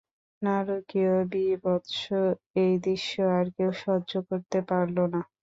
নারকীয় বীভৎস এই দৃশ্য আর কেউ সহ্য করতে পারল না।